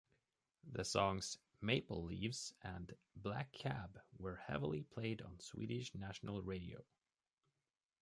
The songs "Maple Leaves" and "Black Cab" were heavily played on Swedish national radio.